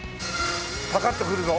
パカッとくるぞ。